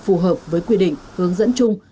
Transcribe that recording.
phù hợp với quy định hướng dẫn chung